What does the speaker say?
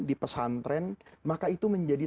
di pesantren maka itu menjadi